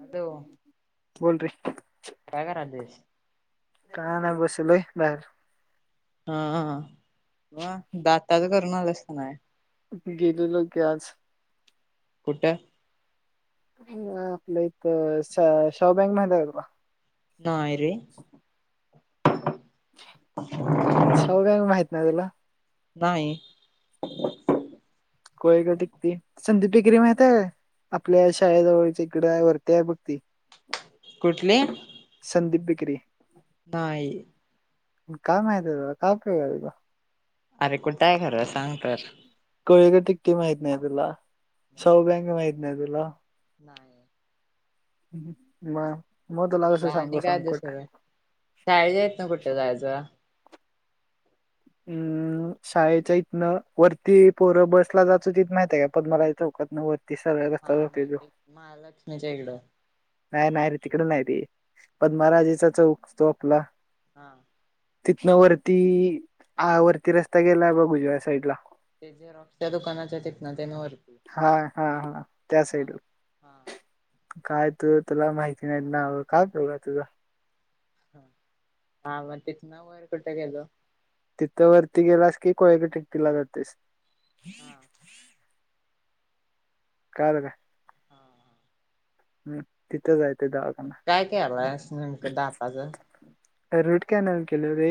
Hello बोल रे. काय करालेस? काय नाही बसलोय बाहेर. हा म दाताच करून आल्यास की नाही. गेलेली की आज. कुठ? आपलं इथ शाहू बँक माहती आहे का तुला? नाय रे. शाहू बॅंक माहित नाही तुला. नाही. कोय का टिकती. संदीप बेकरी माहितीय आपल्या शाळेजवळच्या इकड वरती आहे बघती. कुठले? संदीप बेेकरी. नाही. काय माहती आहे तुला काय उपयोग आहे तुझा. अरे कुठय खरं सांग तर. कोळीची टिक्टी माहित नाही तुला, शाहू बॅंक माहित नाही तुला, नाही. म. तिथला आणि काय अभ्यास आहे शाळेच्या हितन कुठं जायचं. हम्म शाळेच्या इथनं वरती पोरं बसला जात माहित आहे पदमालाय चौकात ना वर ति सार हा व्यस्थते जो माहिती महालक्ष्मीच्या इकडं नाही नाही रे तिकडे नाही रे. पण पदमराजेचा चौक तो आपला. हा. तिथनं वरती, हा वरती रस्ता गेलाय बघ ऊजव्या साईड ला ते झेरॉक्स च्या दुकानाच्या तिथनंन हा-हा-हा त्या हा साइडला. हा काय तू तुला माहिती नाहीत नाव काय उपयोग हाय तुझा? ह हा मग तिथनं वर कुठं गेलो? तिथं वरती गेलास की कोळयाच्या तिकटीला जातोयस. हा कळालं काय? हा हम तिथं जाय? मग काय केलायंस नेमकं दाताचं? रूट कॅनल केलो रे.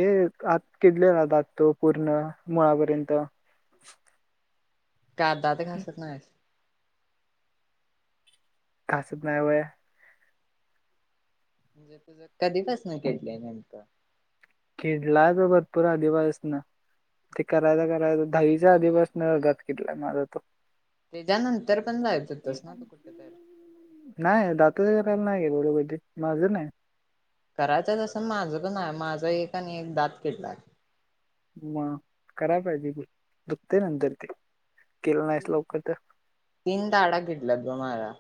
आत किडलेला दात तो पूर्ण मुळापर्यंत. [inaudible] का दात घासत नाहीस? घासत नाही. व्हय. म्हणजे तुझं कधी पासनं किडलंय नेमकं? किडलाय त्यो भरपूर आधीपासनं ते करायचं, करायचं दहावीच्या आधीपासनं दात किडलाय माझा तो. त्याच्यानंतर पण जायच होतस ना तू कुठ तर नाही दात ल नाही [inaudible] माझं नाही. करायचं तसं माझं पण हाय. माझं एक आणि एक दात किडलाय. मग कराय पाहिजे की दुखतय नंतर ते. केलं नाहीस लवकर तर तीन दाडा किडल्यात बग माझ्या.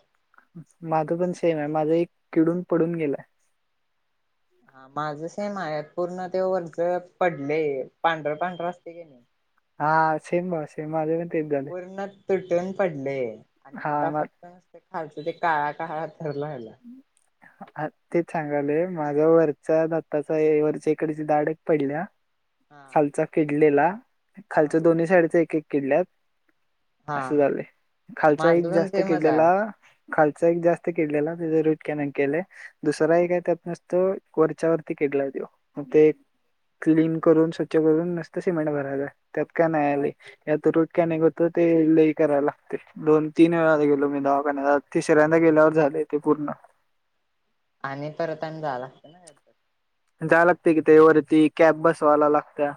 माझं पण सेम हाय. माझं एक किडून, पडून गेलाय. हा माझ सेम हाय. पूर्ण ते वरच पडले पांढर, पांढर असतय कने हा सेम-सेम माज पण तेच झालय. उन पडले आणि आता फक्त नसते खालच ते काळा काळा थर राहिला ह तेच सांगालोय माझा वरच्या दत्ताचा हे वरच्या इकडची दाड एक पडल्या हा खालचा किडलेला. हा खालचं दोन्ही साईडचं एक-एक किडल्यात. हा असं झालंय. खालचा माझं एक पण जास्त सेमच आहे किडलेला खालचा एक जास्त केिडलेला त्याच रुटकॅनल केलंय. दुसरा एक हाय त्यात नसतो कोरच्या वरती क करून स्वच्छ करून नसतं सिमेंट भरायचाय. त्यात काय नाहीहाय लई. ह्यात रूट कॅनिंग हुतं ते लई काय रायलागतंय दोन-तीन वेळा गेलो मी दवाखान्यात. आ तिसऱ्यांदा गेल्यावर झालंय ते पूर्ण. आणि परत आणि जायला लागतंय ना काय तर जाय लागतय कि त्यारती कॅब बसवाला लागत्या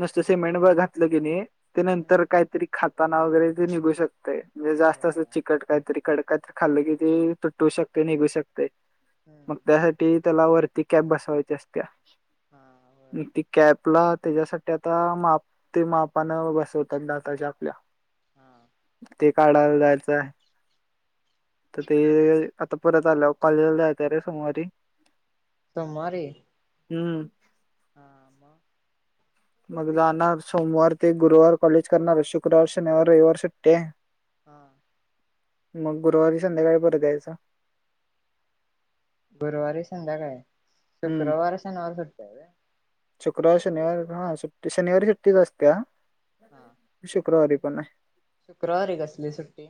नसतं सेमेंट बा घातलं की नय ते नंतर काहीतरी खाताना वगैरे ते निघू शकतंय म्हणजे जास्त होय असं चिकट काहीतरी कडक काहीतरी खाल्लं कि ते तटू शकतंय निघू शकतंय हम्म मग त्या ते त्यला वरती कॅब बसावायची असत्या हा होय ती कॅबला त्याज्यासाठी आता मा ते मापानं बसवत्यात दाताच्या आपल्या. हा ते काढायला जायचं हाय. तर ते आता परत आल्यावर कॉलेजला जायच रे सोमवारी. सोमवारी? हम्म. हा म? मग जाणार सोमवार ते गुरुवार कॉलेज करणार शुक्रवार, शनिवार, रविवार सुट्टे. हा. मग गुरुवारी संध्याकाळी परत यायचं. गुरुवारी संध्याकाळी. हम्म शुक्रवार, शनिवार सुट्टी हाय वय? शुक्रवार, शनिवार हा सुट्टी शनिवारी सुट्टीच असते हा शुक्रवारी. कोण नाही. शुक्रवारी कसली सुट्टी?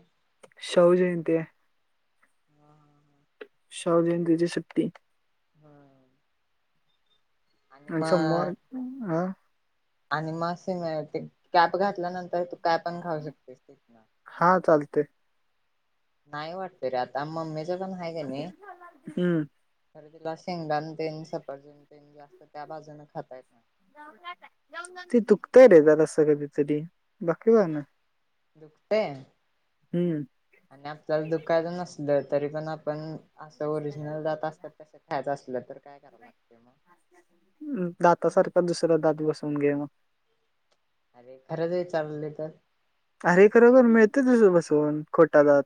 शिवजयंती आहे. हम्म शिवजयंतीची सुट्टी. हम्म. अच्छा म ह [unintelligible] आणि मसेते कॅप घातल्यानंतर. काय पण खाऊ शकतेस ते. हा चालतंय नाही वाटत रे आता मम्मीचं पण आहे का नाही. हम्म तुला शेंगदाण तेन सफरचंद तेन जास्त त्या बाजून खातायेत. ते दुकतयरे जारासं कधीतरी. बाकी काय नाही दुखतें हम्म आणि आपल्याला दुखायचं नसल तरी पण आपण. असं ओरिजिनल दात असतात तसं ख्यायचं असलं तर काय कराव लागते मग. दातासारखा दुसरा दात बसवून घे मग. अरे खरंच विचालय तर. तुचघेकी बसवून खोटा दात.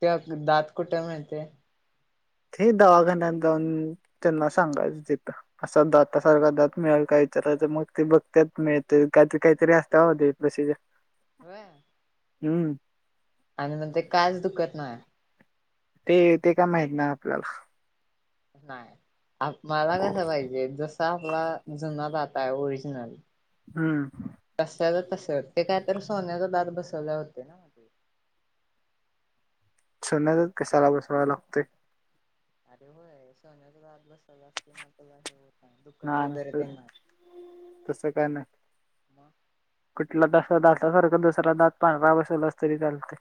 त्या दात कुठे मिळते.. ते दवाखान्यात जाऊन त्यांना सांगायचं देत असा दात सारखा दात मिळेल काही विचार मग ते बघतत मिळते ते काहीतरी असता प्रोसिजर होय. हम्म. आणि मग ते काच दुखत नाही. ते ते काय माहीत नाय आपल्याला. नाही मला कसं पाहिजे जस आपला जुना जाता आहे ओरिजिनल हम्म. पसरते काय तर सोन्याचा दात बसवला होतो. सोन्याचा दात कशाला बसवा लागते. अरे होय सोन्याचा दात बसवायचा जास्त म आहे हो. ना तर तस काय नाही मग कुठलं तर दातसारख दुसरा दात पांढरा बसवलास तरी चालते.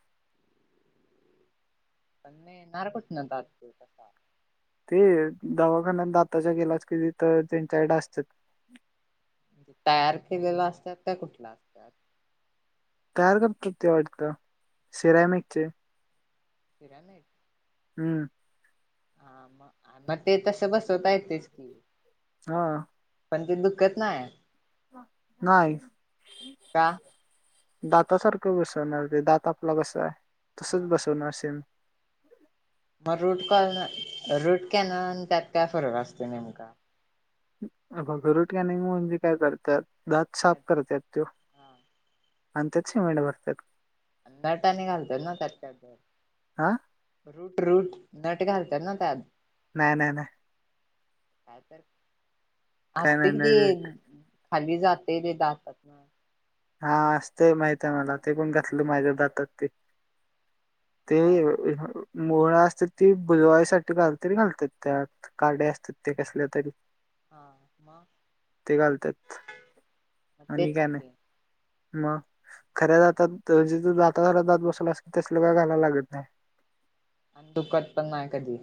नाही तूट आर दात तु सारखा. ते दवाखान्यात दाताच्या गेलाच कली तर त्यांच्या कडे असतात. तयार केलेला असतात का कुठला असतात. तयार कप कती आवटतं सिरायमेकचे. सिरयामिसक. हम्म. हा मग मग ते तसं बसवता येतच की. हा. पण ते दुःखत नाही. नाहीय. का? दात सारखं बसवणार ते दात आपला कसा आहे तसच बसवणार सेम. मग रूट कॉलन रूट कॅन त्यात काय फरक असते नेमका? बघ रुटकॅनीग म्हणजे काय करतात. दात साफ करतात त आणि त्यात शिमट भरतात. नटाने घालतात ना त्याच्यात काही हा रुट फ्रूट नट घालतात ना त्यात. नाही नाही नाही. काय तर काय असते नाही की नाही खाली जाते ते दातात हा असतय माहित आहे मला ते पण घातलं मग माझ्या दातात ते ते काय ना मोहळा असतात ती भुजवायसाठी घाल तरी घालतात त्यात काड्या असतात ते कसल्या तरी ते घालतात आणि काय नाही [unintelligible] मग खऱ्या जातात जे जातार जात बसवला असे तसल का घालायला लागत नाही आणि दुखत पण नाही कधी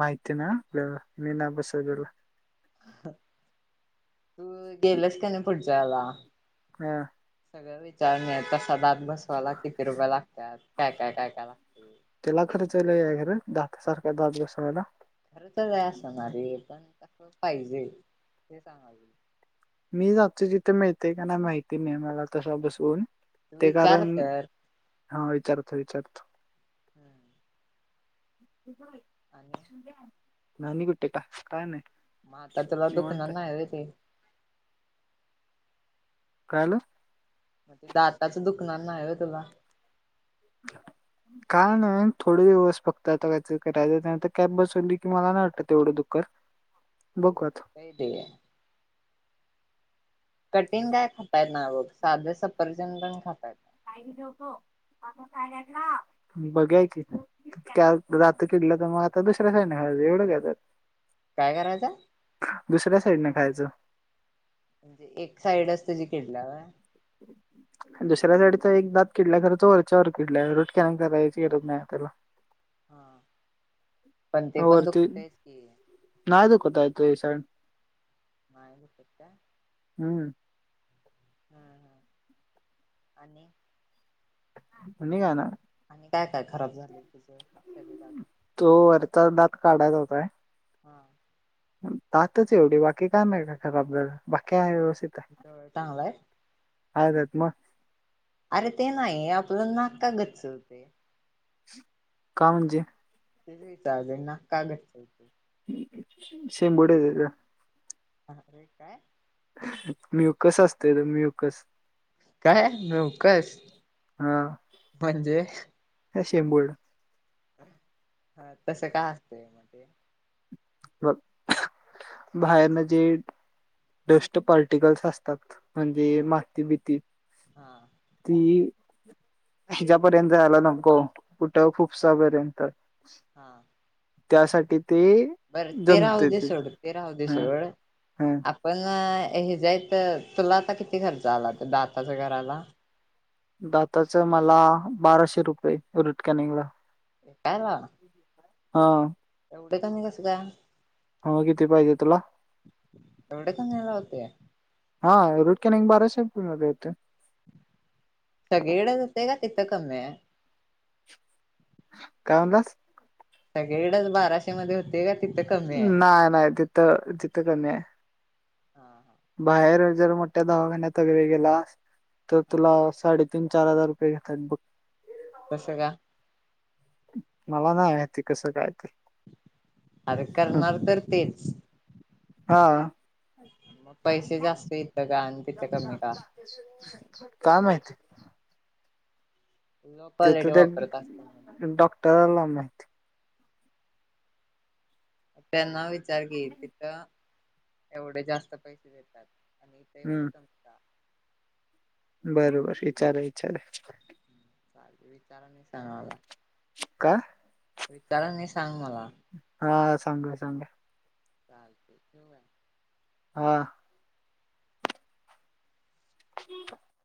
माहिती ना मी ना बसला तू गेलास का नाही पुढच्या हेल्या हा. विचारुन सदात बसवायला किती रुपय लागतात काय काय काय काय लागत [inaudible] खरंच आहे असणार रे पण कस पाहिजे ते सागालोय मी जातो तिथे मिळते का नाही माहिती नाही मला तसा बसून तू विचार तर हा विचारतो विचारतो हम्म. [unintelligible] आणि, [inaudible] म आता तुला दुखणार निवांत आहे नाही होय ते काय‌ झाल? म ते दातचं दुखणार नाय होय तुला काय नाही थोडे दिवस फक्त आता कायच करायचं त्यांतर कॅब बसवली की मला नाही वाटत तेवढं दुखत दुखतंय ते [inaudible] बघुया मग की दात किडल्यात त्यामुळं आता दुसऱ्या साईड न खायायच एवढ काय त्यात काय करायच हाय दुसऱ्या साईडन खायचं म्हणजे एक साईडच तुजी किडल्या होय दुसऱ्या साईडचा एक दात किडल्या खर तो वरच्यावर किडल्या रोट कॅन करायची गरज नाही त्याला हा पण होर पण ते दुखतयच की ना [inaudible] हम्म [unintelligible] हम्म हम्म आणि आणि काय नाय आणि काय काय खराब झाले तुझ शरीरात? तो वरचा दात काढायचाच हाय [unintelligible] दातच एवढी बाकी काय नाय का खराबदल बाकी व्यव तिथ चांगलं हाय? [unintelligible] अरे ते नाही आपलं नाक का गच्च होतय? का म्हणजे, तेच विचारलय ना का गच्च हुतय--' [unintelligible] ह अरे काय म्युकस असतय रे म्युकस काय नवकच म्हणजे ह शेबोर्ड हा तस काय असतंय म ते हो [unintelligible] बाहेरन जे डस्ट पार्टिकल्स असतात म्हणजे हा मााती बीती हा ती ह्याच्यापर्यंत जायला नको कुठं फुफसा पर्यंत हा त्यासाठी ते बरं ते राहुदे सोड ते राहुदे हा सोड हा आपण हे जेय तर तुला आता किती खर्च आला त दाताच करायला दाताच मला बाराशे रुपये रुट कॅनिंगला एटाला [unintelligible] हा एवढ कमी कसं का हो किती पाहिजे तुला एवढ कमी ला होतंय हा रुटकॅनिग बाराशे मध्ये होतंय सगळीकडे हुतय का तिथं कमी हाय [unintelligible] काय म्हंदच [unintelligible] सगळेकडेच बाराशे मध्ये होते का तिथं कमी आहे नाही नाही तिथं तिथं कमी हाय हा बाहेर जर मोठ्या दवाखान्यात वगैरे गेला तर हा तुला साडे तीन चार हजार रुपये घेतात बघ. कस काय मला नाही माहिती कसं काय ते. अरे हं. करणार तर तेच. हा मग पैसे जास्त इथं का आणि तिथं कमी का काय माहित. लो ते तर क्वालिटी त्या वापरत असत डॉक्टराला माहित. त्यांना विचार की तिथं एवढे जास्त पैसे देतात. आणि इथ एवढं हम्म कमी का. बरोबर विचारा विचारा. [unintelligible] का विचार आणि सांग मला. हा सांगतो सांगतो [unintelligible] हा [unintelligible]